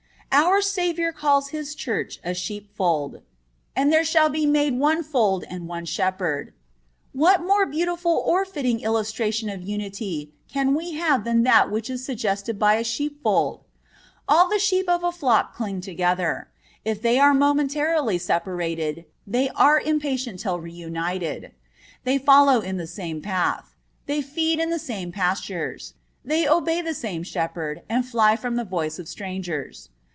(21) Our Savior calls His Church a sheepfold. "And there shall be made one fold and one shepherd."(22) What more beautiful or fitting illustration of unity can we have than that which is suggested by a sheepfold? All the sheep of a flock cling together. If they are momentarily separated, they are impatient till reunited. They follow in the same path. They feed on the same pastures. They obey the same shepherd, and fly from the voice of strangers.